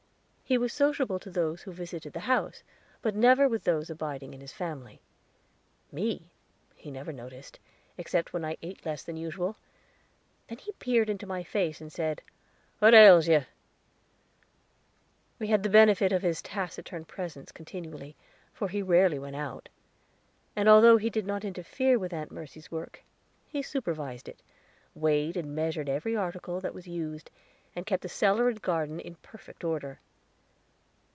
He was sociable to those who visited the house, but never with those abiding in his family. Me he never noticed, except when I ate less than usual; then he peered into my face, and said, "What ails you?" We had the benefit of his taciturn presence continually, for he rarely went out; and although he did not interfere with Aunt Mercy's work, he supervised it, weighed and measured every article that was used, and kept the cellar and garden in perfect order.